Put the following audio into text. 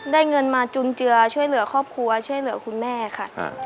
เงินมาจุนเจือช่วยเหลือครอบครัวช่วยเหลือคุณแม่ค่ะ